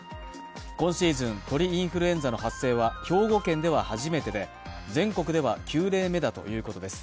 今シーズン鳥インフルエンザの発生は兵庫県では初めてで、全国では９例目だということです。